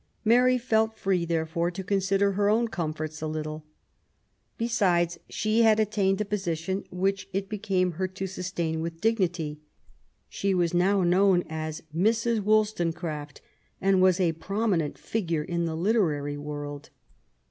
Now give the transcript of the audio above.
Mary felt free, therefore, to consider her own comforts a little. Besides, she had attained a position which it became her to sus tain with dignity. She was now known as Mrs. Woll stonecraft, and was a prominent figure in the literary world.